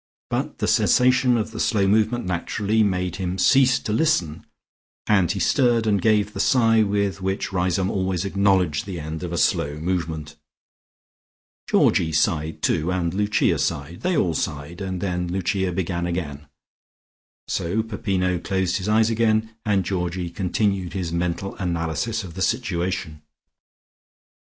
But the cessation of the slow movement naturally made him cease to listen, and he stirred and gave the sigh with which Riseholme always acknowledged the end of a slow movement. Georgie sighed too, and Lucia sighed; they all sighed, and then Lucia began again. So Peppino closed his eyes again, and Georgie continued his mental analysis of the situation.